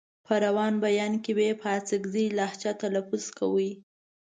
په روان بيان کې به يې په اڅکزۍ لهجه تلفظ کاوه.